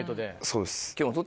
そうです。